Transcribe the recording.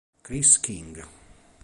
Chris King